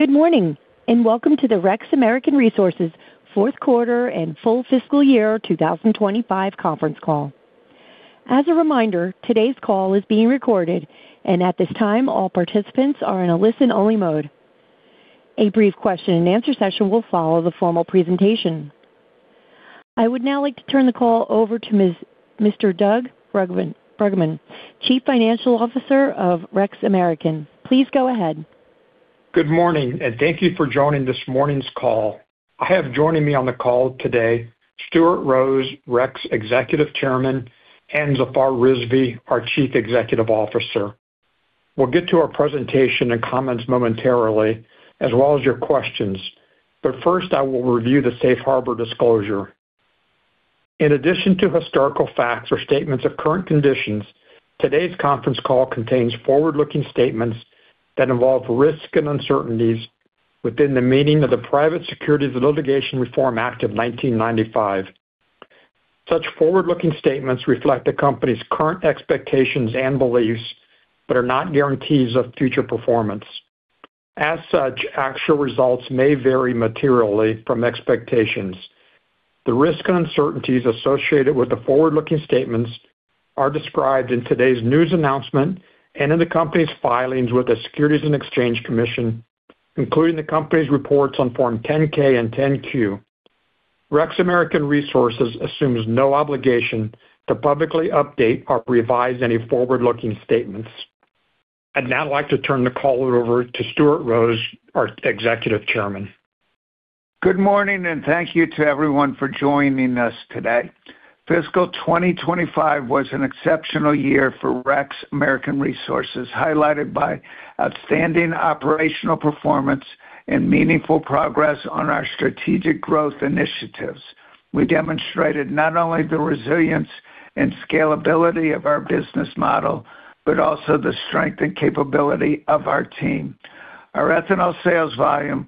Good morning, and welcome to the REX American Resources fourth quarter and full fiscal year 2025 conference call. As a reminder, today's call is being recorded, and at this time, all participants are in a listen-only mode. A brief question-and-answer session will follow the formal presentation. I would now like to turn the call over to Mr. Doug Bruggeman, Chief Financial Officer of REX American Resources. Please go ahead. Good morning, and thank you for joining this morning's call. I have joining me on the call today Stuart Rose, REX Executive Chairman, and Zafar Rizvi, our Chief Executive Officer. We'll get to our presentation and comments momentarily as well as your questions, but first, I will review the safe harbor disclosure. In addition to historical facts or statements of current conditions, today's conference call contains forward-looking statements that involve risks and uncertainties within the meaning of the Private Securities Litigation Reform Act of 1995. Such forward-looking statements reflect the company's current expectations and beliefs but are not guarantees of future performance. As such, actual results may vary materially from expectations. The risks and uncertainties associated with the forward-looking statements are described in today's news announcement and in the company's filings with the Securities and Exchange Commission, including the company's reports on Form 10-K and 10-Q. REX American Resources assumes no obligation to publicly update or revise any forward-looking statements. I'd now like to turn the call over to Stuart Rose, our Executive Chairman. Good morning, and thank you to everyone for joining us today. Fiscal 2025 was an exceptional year for REX American Resources, highlighted by outstanding operational performance and meaningful progress on our strategic growth initiatives. We demonstrated not only the resilience and scalability of our business model but also the strength and capability of our team. Our ethanol sales volume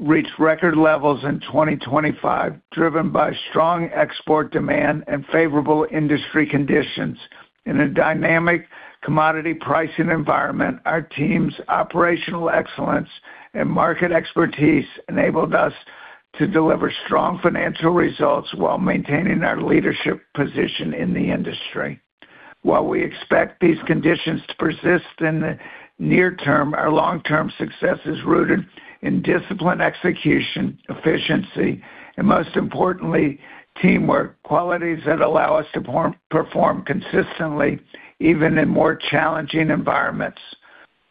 reached record levels in 2025, driven by strong export demand and favorable industry conditions. In a dynamic commodity pricing environment, our team's operational excellence and market expertise enabled us to deliver strong financial results while maintaining our leadership position in the industry. While we expect these conditions to persist in the near term, our long-term success is rooted in disciplined execution, efficiency, and most importantly, teamwork, qualities that allow us to perform consistently, even in more challenging environments.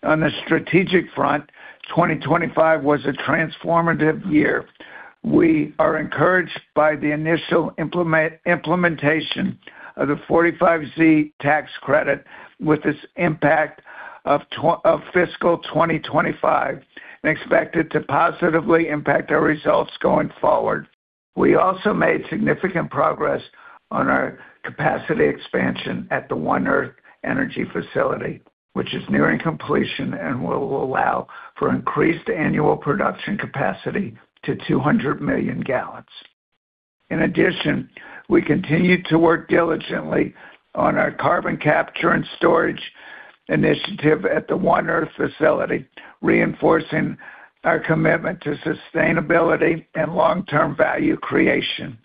On the strategic front, 2025 was a transformative year. We are encouraged by the initial implementation of the 45Z tax credit with its impact of fiscal 2025 and expect it to positively impact our results going forward. We also made significant progress on our capacity expansion at the One Earth Energy facility, which is nearing completion and will allow for increased annual production capacity to 200 million gal. In addition, we continue to work diligently on our carbon capture and sequestration initiative at the One Earth facility, reinforcing our commitment to sustainability and long-term value creation.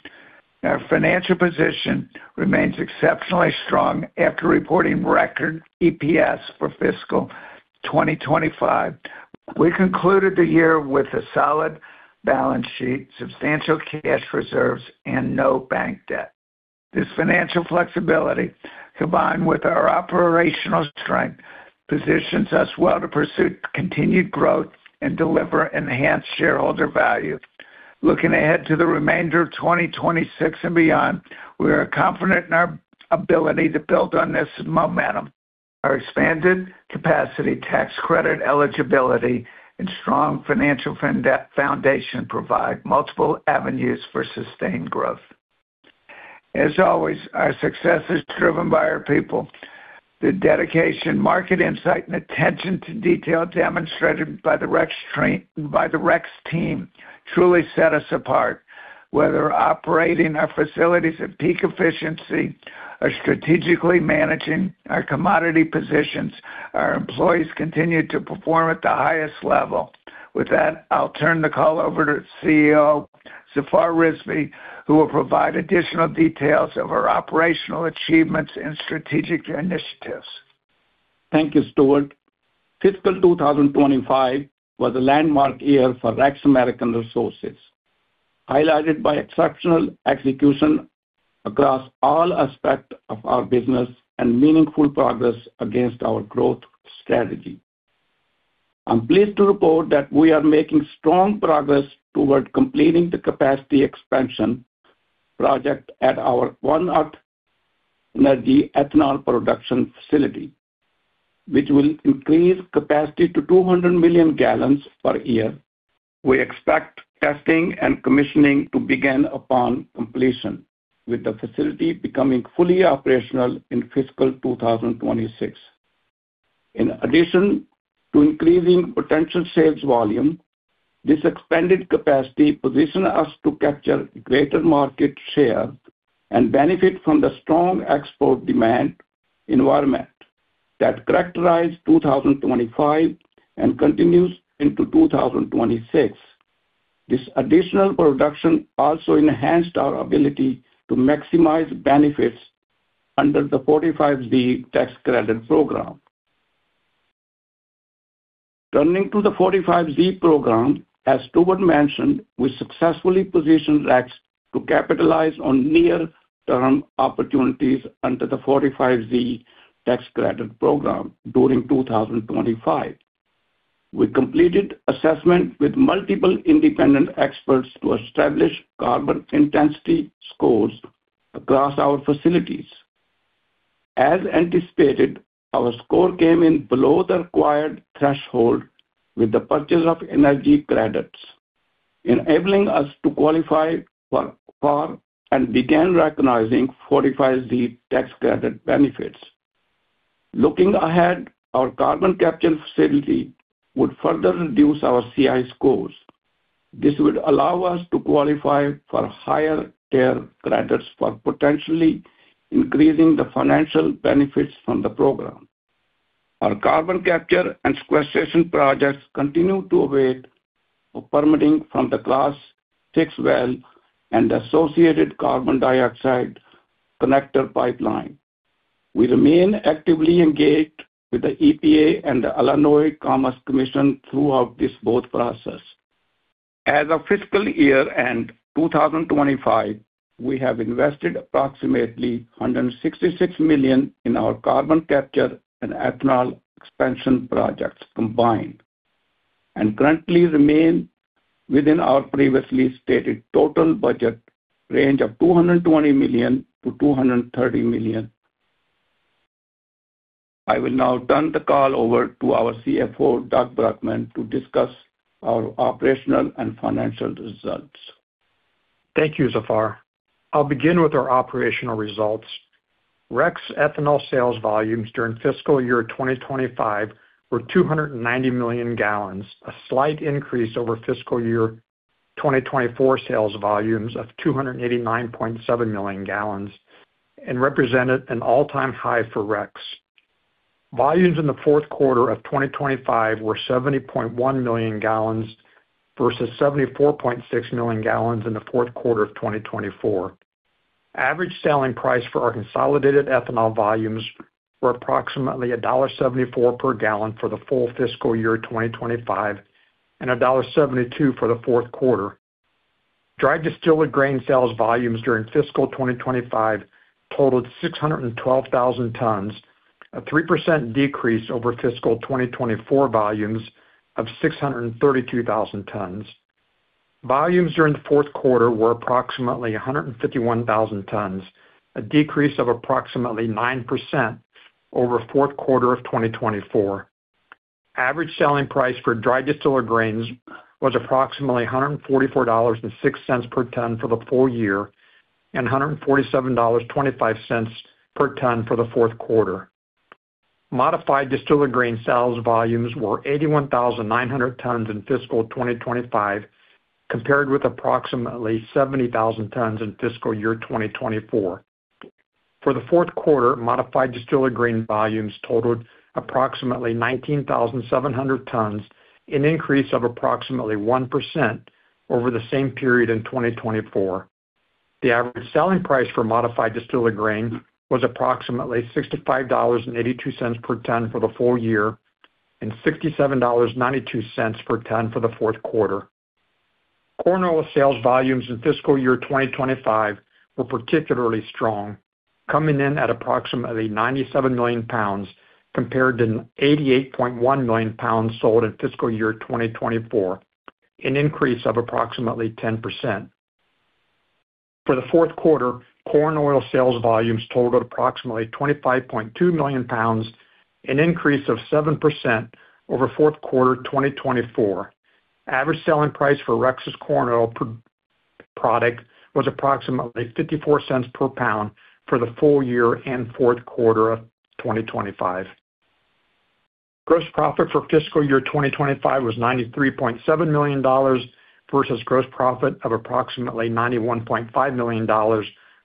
Our financial position remains exceptionally strong after reporting record EPS for fiscal 2025. We concluded the year with a solid balance sheet, substantial cash reserves, and no bank debt. This financial flexibility, combined with our operational strength, positions us well to pursue continued growth and deliver enhanced shareholder value. Looking ahead to the remainder of 2026 and beyond, we are confident in our ability to build on this momentum. Our expanded capacity, tax credit eligibility, and strong financial foundation provide multiple avenues for sustained growth. As always, our success is driven by our people. The dedication, market insight, and attention to detail demonstrated by the REX team truly set us apart. Whether operating our facilities at peak efficiency or strategically managing our commodity positions, our employees continue to perform at the highest level. With that, I'll turn the call over to CEO Zafar Rizvi, who will provide additional details of our operational achievements and strategic initiatives. Thank you, Stuart. Fiscal 2025 was a landmark year for REX American Resources, highlighted by exceptional execution across all aspects of our business and meaningful progress against our growth strategy. I'm pleased to report that we are making strong progress toward completing the capacity expansion project at our One Earth Energy ethanol production facility, which will increase capacity to 200 million gal per year. We expect testing and commissioning to begin upon completion, with the facility becoming fully operational in Fiscal 2026. In addition to increasing potential sales volume, this expanded capacity positions us to capture greater market share and benefit from the strong export demand environment that characterized 2025 and continues into 2026. This additional production also enhanced our ability to maximize benefits under the 45Z tax credit program. Turning to the 45Z program, as Stuart mentioned, we successfully positioned REX to capitalize on near-term opportunities under the 45Z tax credit program during 2025. We completed assessment with multiple independent experts to establish carbon intensity scores across our facilities. As anticipated, our score came in below the required threshold with the purchase of energy credits, enabling us to qualify for 45Z and began recognizing 45Z tax credit benefits. Looking ahead, our carbon capture facility would further reduce our CI scores. This would allow us to qualify for higher 45Z credits for potentially increasing the financial benefits from the program. Our carbon capture and sequestration projects continue to await permitting for the Class VI well and associated carbon dioxide connector pipeline. We remain actively engaged with the EPA and the Illinois Commerce Commission throughout this permitting process. As of fiscal year end 2025, we have invested approximately $166 million in our carbon capture and ethanol expansion projects combined and currently remain within our previously stated total budget range of $220 million-$230 million. I will now turn the call over to our CFO, Doug Bruggeman, to discuss our operational and financial results. Thank you, Zafar. I'll begin with our operational results. REX ethanol sales volumes during fiscal year 2025 were 290 million gal, a slight increase over fiscal year 2024 sales volumes of 289.7 million gal and represented an all-time high for REX. Volumes in the fourth quarter of 2025 were 70.1 million gal versus 74.6 million gal in the fourth quarter of 2024. Average selling price for our consolidated ethanol volumes were approximately $1.74 per gallon for the full fiscal year 2025 and $1.72 for the fourth quarter. Dried distillers grains sales volumes during fiscal 2025 totaled 612,000 tons, a 3% decrease over fiscal 2024 volumes of 632,000 tons. Volumes during the fourth quarter were approximately 151,000 tons, a decrease of approximately 9% over fourth quarter of 2024. Average selling price for dried distillers grains was approximately $144.06 per ton for the full year and $147.25 per ton for the fourth quarter. Modified distillers grains sales volumes were 81,900 tons in fiscal 2025, compared with approximately 70,000 tons in fiscal year 2024. For the fourth quarter, modified distillers grains volumes totaled approximately 19,700 tons, an increase of approximately 1% over the same period in 2024. The average selling price for modified distillers grains was approximately $65.82 per ton for the full year and $67.92 per ton for the fourth quarter. Corn oil sales volumes in fiscal year 2025 were particularly strong, coming in at approximately 97 million lbs compared to 88.1 million lbs sold in fiscal year 2024, an increase of approximately 10%. For the fourth quarter, corn oil sales volumes totaled approximately 25.2 million lbs, an increase of 7% over fourth quarter 2024. Average selling price for REX's corn oil per lbs was approximately $0.54 per lbs for the full year and fourth quarter of 2025. Gross profit for fiscal year 2025 was $93.7 million versus gross profit of approximately $91.5 million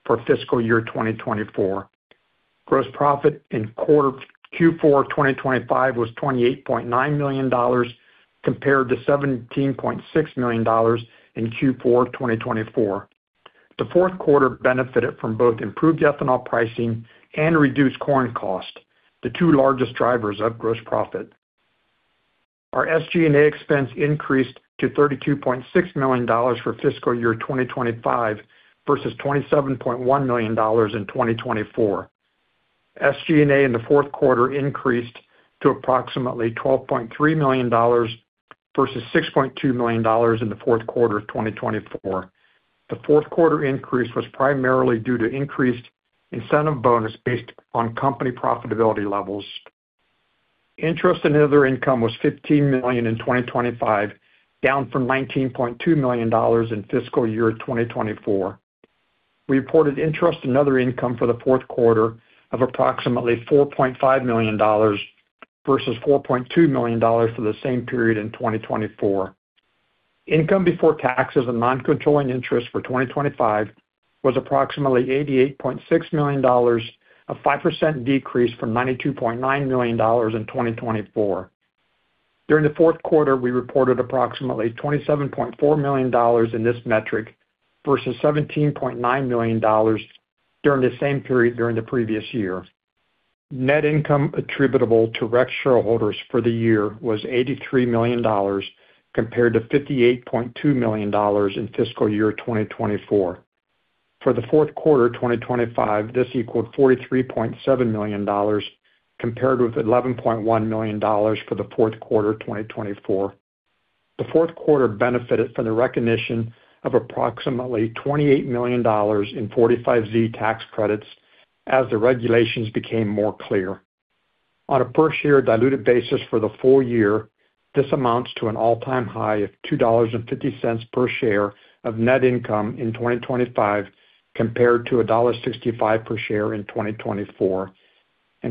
for fiscal year 2024. Gross profit in Q4 2025 was $28.9 million compared to $17.6 million in Q4 2024. The fourth quarter benefited from both improved ethanol pricing and reduced corn cost, the two largest drivers of gross profit. Our SG&A expense increased to $32.6 million for FY 2025 versus $27.1 million in FY 2024. SG&A in the fourth quarter increased to approximately $12.3 million versus $6.2 million in the fourth quarter of 2024. The fourth quarter increase was primarily due to increased incentive bonus based on company profitability levels. Interest and other income was $15 million in 2025, down from $19.2 million in FY 2024. Reported interest and other income for the fourth quarter of approximately $4.5 million versus $4.2 million for the same period in 2024. Income before taxes and non-controlling interest for 2025 was approximately $88.6 million, a 5% decrease from $92.9 million in 2024. During the fourth quarter, we reported approximately $27.4 million in this metric versus $17.9 million during the same period during the previous year. Net income attributable to REX shareholders for the year was $83 million compared to $58.2 million in fiscal year 2024. For the fourth quarter 2025, this equaled $43.7 million compared with $11.1 million for the fourth quarter 2024. The fourth quarter benefited from the recognition of approximately $28 million in 45Z tax credits as the regulations became more clear. On a per-share diluted basis for the full year, this amounts to an all-time high of $2.50 per share of net income in 2025 compared to $1.65 per share in 2024.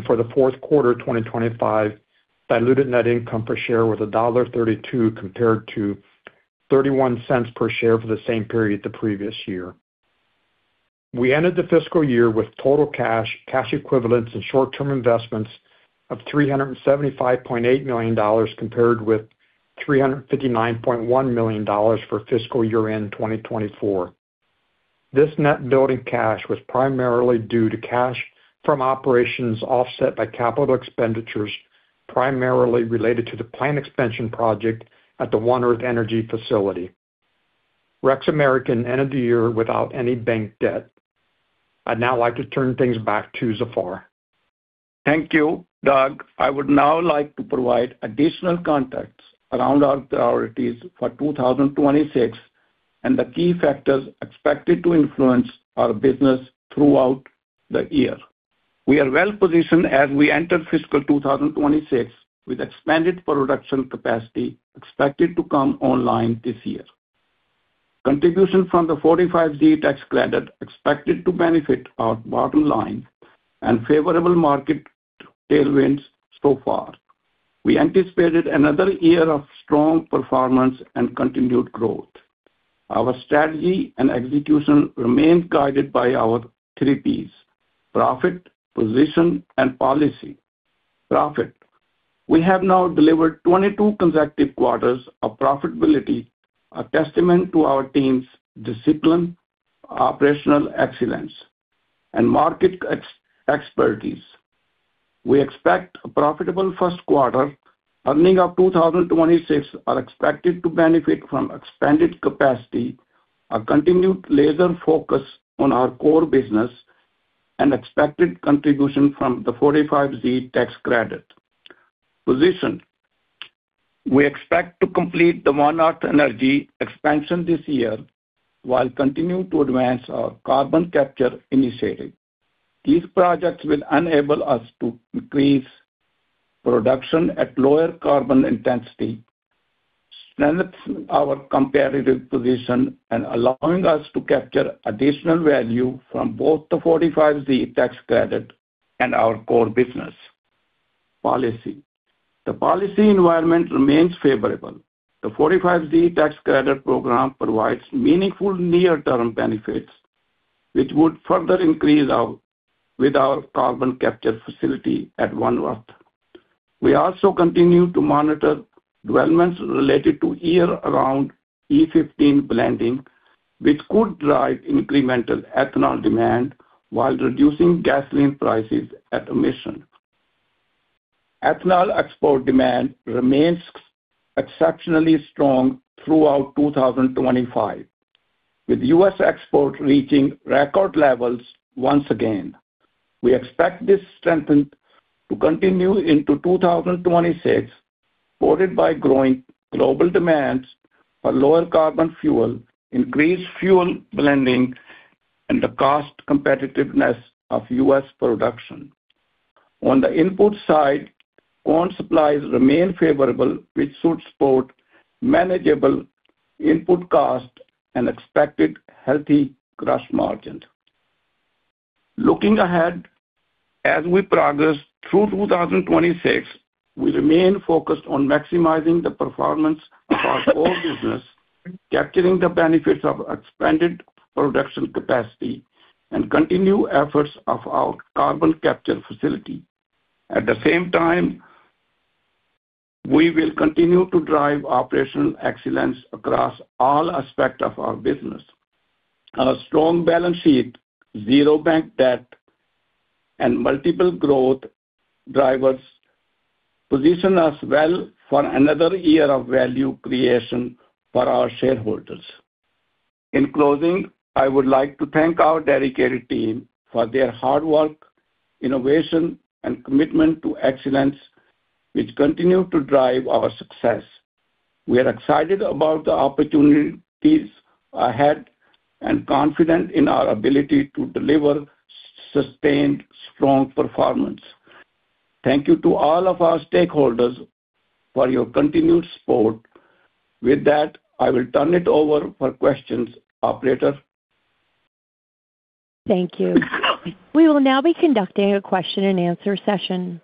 For the fourth quarter 2025, diluted net income per share was $1.32 compared to $0.31 per share for the same period the previous year. We ended the fiscal year with total cash equivalents, and short-term investments of $375.8 million, compared with $359.1 million for fiscal year-end 2024. This net build in cash was primarily due to cash from operations offset by capital expenditures, primarily related to the plant expansion project at the One Earth Energy facility. REX American ended the year without any bank debt. I'd now like to turn things back to Zafar. Thank you, Doug. I would now like to provide additional context around our priorities for 2026 and the key factors expected to influence our business throughout the year. We are well-positioned as we enter fiscal 2026 with expanded production capacity expected to come online this year, contributions from the 45Z tax credit expected to benefit our bottom line, and favorable market tailwinds so far. We anticipate another year of strong performance and continued growth. Our strategy and execution remain guided by our three Ps: profit, position, and policy. Profit. We have now delivered 22 consecutive quarters of profitability, a testament to our team's discipline, operational excellence, and market expertise. We expect a profitable first quarter. Earnings of 2026 are expected to benefit from expanded capacity, a continued laser focus on our core business, and expected contribution from the 45Z tax credit. Position. We expect to complete the One Earth Energy expansion this year while continuing to advance our carbon capture initiative. These projects will enable us to increase production at lower carbon intensity, strengthen our competitive position, and allowing us to capture additional value from both the 45Z tax credit and our core business policy. The policy environment remains favorable. The 45Z tax credit program provides meaningful near-term benefits, which would further increase with our carbon capture facility at One Earth. We also continue to monitor developments related to year-round E15 blending, which could drive incremental ethanol demand while reducing gasoline prices and emissions. Ethanol export demand remains exceptionally strong throughout 2025, with U.S. export reaching record levels once again. We expect this strength to continue into 2026, supported by growing global demands for lower carbon fuel, increased fuel blending, and the cost competitiveness of U.S. production. On the input side, corn supplies remain favorable, which should support manageable input cost and expected healthy crush margins. Looking ahead, as we progress through 2026, we remain focused on maximizing the performance of our core business, capturing the benefits of expanded production capacity, and continued efforts of our carbon capture facility. At the same time, we will continue to drive operational excellence across all aspects of our business. Our strong balance sheet, zero bank debt, and multiple growth drivers position us well for another year of value creation for our shareholders. In closing, I would like to thank our dedicated team for their hard work, innovation, and commitment to excellence, which continue to drive our success. We are excited about the opportunities ahead and confident in our ability to deliver sustained strong performance. Thank you to all of our stakeholders for your continued support. With that, I will turn it over for questions. Operator? Thank you. We will now be conducting a question and answer session.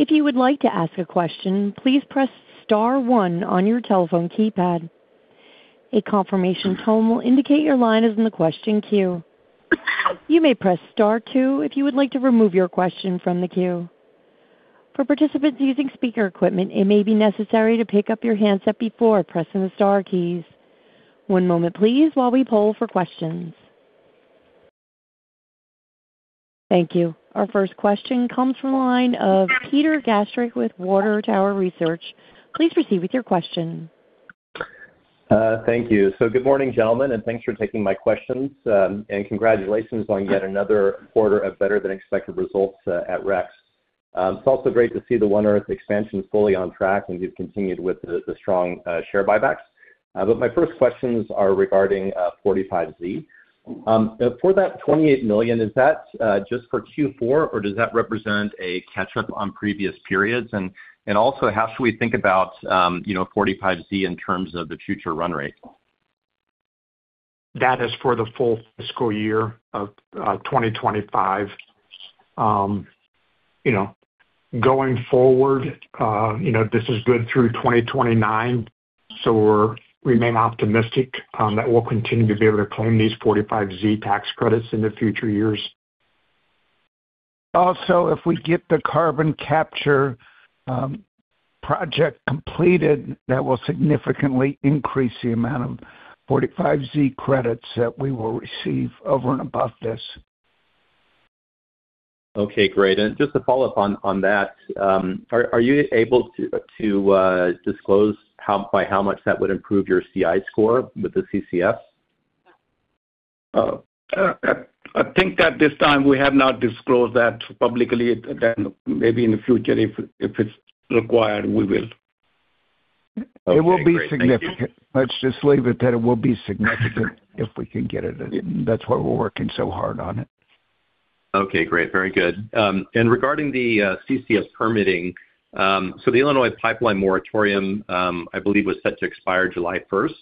If you would like to ask a question, please press star one on your telephone keypad. A confirmation tone will indicate your line is in the question queue. You may press star two if you would like to remove your question from the queue. For participants using speaker equipment, it may be necessary to pick up your handset before pressing the star keys. One moment please while we poll for questions. Thank you. Our first question comes from the line of Peter Gastreich with Water Tower Research. Please proceed with your question. Thank you. Good morning, gentlemen, and thanks for taking my questions. Congratulations on yet another quarter of better than expected results at REX. It's also great to see the OneEarth expansion fully on track, and you've continued with the strong share buybacks. My first questions are regarding 45Z. For that $28 million, is that just for Q4, or does that represent a catch-up on previous periods? And also how should we think about, you know, 45Z in terms of the future run rate? That is for the full fiscal year of 2025. You know, going forward, you know, this is good through 2029, so we remain optimistic that we'll continue to be able to claim these 45Z tax credits in the future years. Also, if we get the carbon capture project completed, that will significantly increase the amount of 45Z credits that we will receive over and above this. Okay, great. Just to follow up on that, are you able to disclose how by how much that would improve your CI score with the CCS? I think that this time we have not disclosed that publicly. Maybe in the future if it's required, we will. Okay, great. Thank you. It will be significant. Let's just leave it that it will be significant if we can get it. That's why we're working so hard on it. Okay, great. Very good. And regarding the CCS permitting, so the Illinois pipeline moratorium, I believe, was set to expire July first.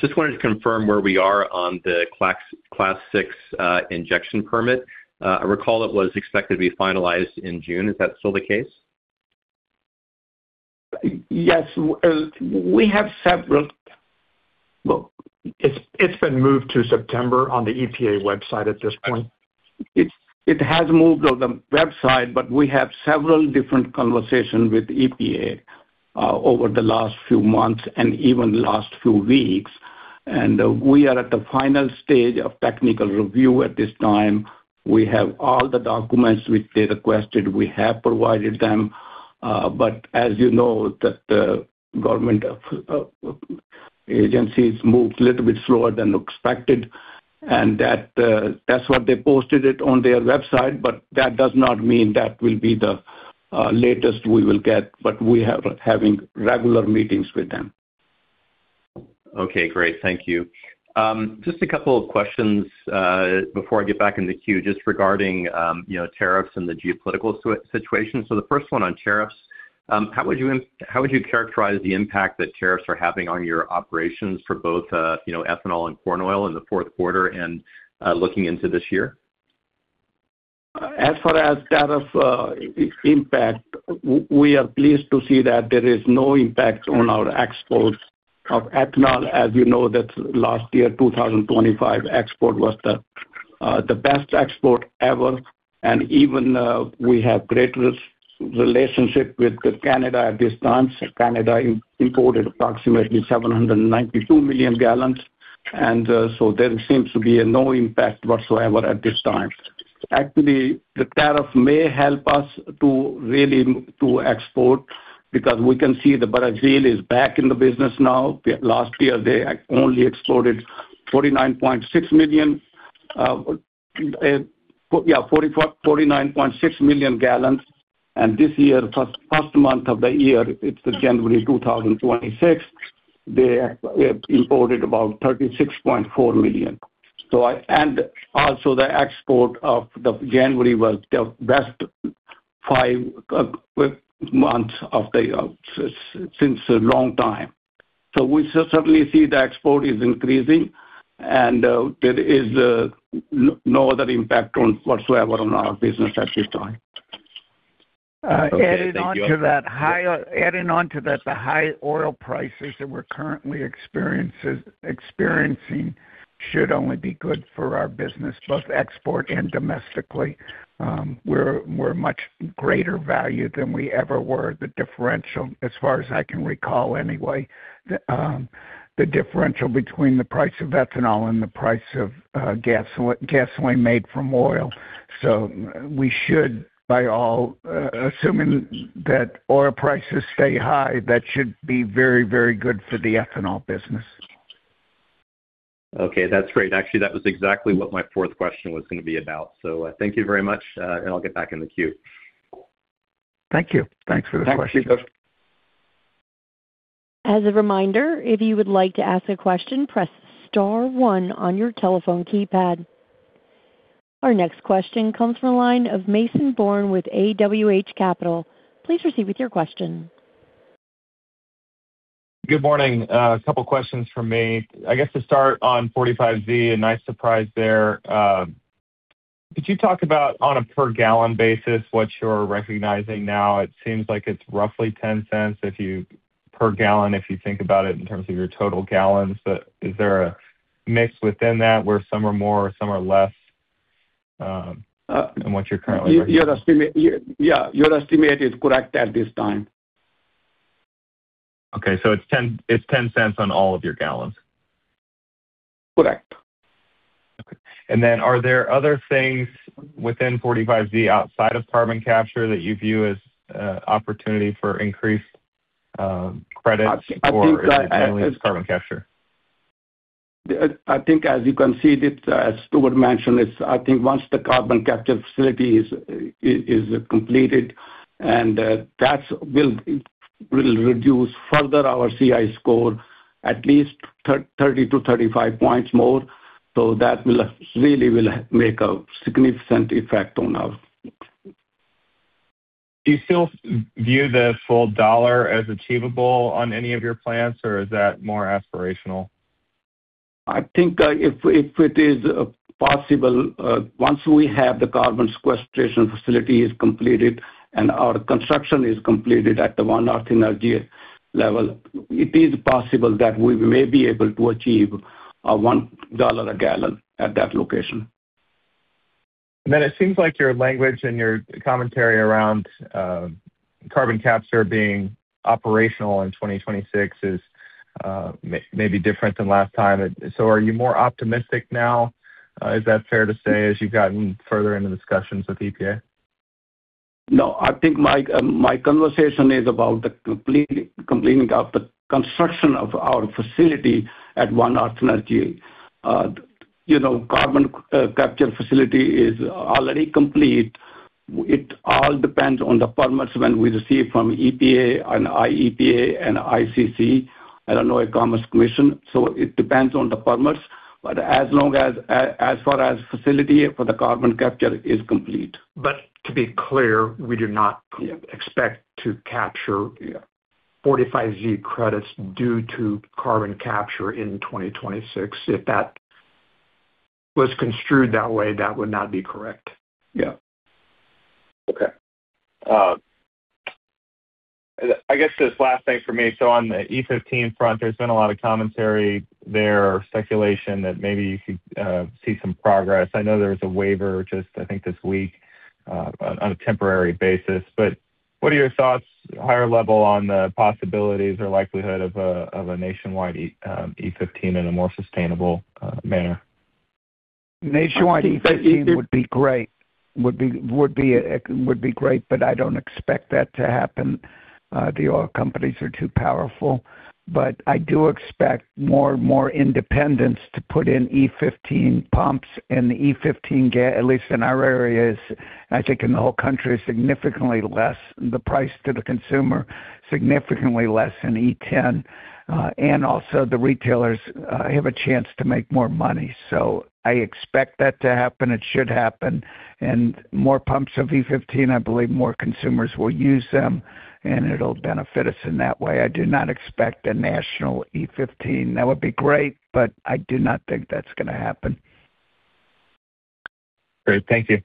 Just wanted to confirm where we are on the Class VI injection permit. I recall it was expected to be finalized in June. Is that still the case? Yes. We have several. Well, it's been moved to September on the EPA website at this point. It has moved on the website, but we have several different conversations with EPA over the last few months and even last few weeks. We are at the final stage of technical review at this time. We have all the documents which they requested. We have provided them. As you know, the government agencies moved a little bit slower than expected, and that's what they posted it on their website. That does not mean that will be the latest we will get. We are having regular meetings with them. Okay, great. Thank you. Just a couple of questions before I get back in the queue, just regarding you know, tariffs and the geopolitical situation. The first one on tariffs, how would you characterize the impact that tariffs are having on your operations for both you know, ethanol and corn oil in the fourth quarter and looking into this year? As far as tariff impact, we are pleased to see that there is no impact on our exports of ethanol. As you know, that last year, 2025 export was the best export ever. We have great relationship with Canada at this time. Canada imported approximately 792 million gal. There seems to be no impact whatsoever at this time. Actually, the tariff may help us to really export because we can see that Brazil is back in the business now. Last year, they only exported 49.6 million gal. This year, first month of the year, it's January 2026, they imported about 36.4 million. Also, the export for January was the best five months in a long time. We certainly see the export is increasing, and there is no other impact whatsoever on our business at this time. Okay. Thank you. Adding on to that, the high oil prices that we're currently experiencing should only be good for our business, both export and domestically. We're much greater value than we ever were. The differential, as far as I can recall anyway, between the price of ethanol and the price of gasoline made from oil. Assuming that oil prices stay high, that should be very, very good for the ethanol business. Okay. That's great. Actually, that was exactly what my fourth question was gonna be about. Thank you very much, and I'll get back in the queue. Thank you. Thanks for this question. Thanks, Peter. As a reminder, if you would like to ask a question, press star one on your telephone keypad. Our next question comes from the line of Mason Bourne with AWH Capital. Please proceed with your question. Good morning. A couple questions from me. I guess to start on 45Z, a nice surprise there. Could you talk about on a per gallon basis what you're recognizing now? It seems like it's roughly $0.10 per gallon, if you think about it in terms of your total gal. Is there a mix within that where some are more, some are less, than what you're currently? Yeah, your estimate is correct at this time. Okay, it's $0.10 on all of your gal. Correct. Okay. Are there other things within 45Z outside of carbon capture that you view as opportunity for increased credits? Or is it mainly just carbon capture? I think as you can see, as Stuart mentioned, I think once the carbon capture facility is completed and that will reduce further our CI score at least 30-35 points more. That will really make a significant effect on our... Do you still view the full dollar as achievable on any of your plans, or is that more aspirational? I think, if it is possible, once we have the carbon sequestration facility is completed and our construction is completed at the One Earth Energy level, it is possible that we may be able to achieve $1 a gallon at that location. It seems like your language and your commentary around carbon capture being operational in 2026 is may be different than last time. Are you more optimistic now? Is that fair to say as you've gotten further into discussions with EPA? No, I think my conversation is about the completing of the construction of our facility at One Earth Energy. You know, carbon capture facility is already complete. It all depends on the permits when we receive from EPA and IEPA and ICC, Illinois Commerce Commission. It depends on the permits. As far as facility for the carbon capture is complete. To be clear, we do not expect to capture 45Z credits due to carbon capture in 2026. If that was construed that way, that would not be correct. Yeah. Okay. I guess just last thing for me. On the E15 front, there's been a lot of commentary there or speculation that maybe you could see some progress. I know there was a waiver just, I think, this week, on a temporary basis. What are your thoughts, higher level, on the possibilities or likelihood of a nationwide E15 in a more sustainable manner? Nationwide E15 would be great. Would be great, but I don't expect that to happen. The oil companies are too powerful. I do expect more and more independents to put in E15 pumps and the E15 at least in our areas, I think in the whole country, is significantly less, the price to the consumer, significantly less than E10. And also the retailers have a chance to make more money. I expect that to happen. It should happen. More pumps of E15, I believe more consumers will use them, and it'll benefit us in that way. I do not expect a national E15. That would be great, but I do not think that's gonna happen. Great. Thank you.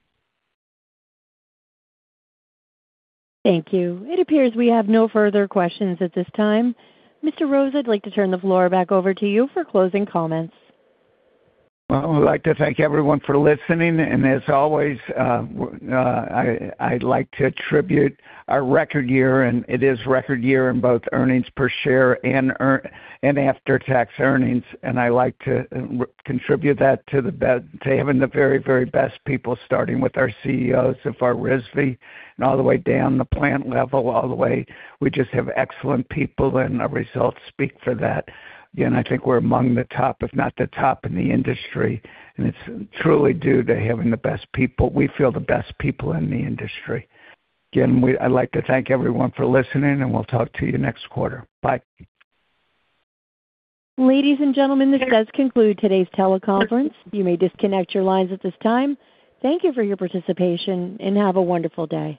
Thank you. It appears we have no further questions at this time. Mr. Rose, I'd like to turn the floor back over to you for closing comments. Well, I would like to thank everyone for listening. As always, I'd like to attribute our record year, and it is a record year in both earnings per share and after-tax earnings. I like to attribute that to having the very, very best people starting with our CEO, Zafar Rizvi, and all the way down to the plant level, all the way. We just have excellent people and our results speak for that. I think we're among the top, if not the top in the industry, and it's truly due to having the best people. We have the best people in the industry. Again, I'd like to thank everyone for listening, and we'll talk to you next quarter. Bye. Ladies and gentlemen, this does conclude today's teleconference. You may disconnect your lines at this time. Thank you for your participation, and have a wonderful day.